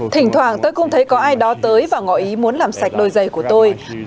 thỉnh thoảng tôi cũng thấy có ai đó tới và ngọi ý muốn làm sạch đôi giày của tôi